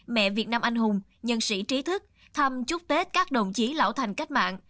mẹ việt nam anh hùng nhân sĩ trí thức thăm chúc tết các đồng chí lão thành cách mạng